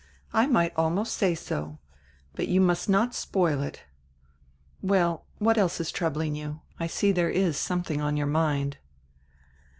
"I might almost say so. But you must not spoil it — Well, what else is troubling you! I see diere is something on your mind."